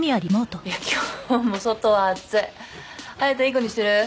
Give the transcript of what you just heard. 「いや今日も外は暑い隼太いい子にしてる？」